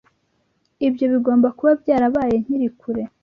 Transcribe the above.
Ibyo bigomba kuba byarabaye nkiri kure.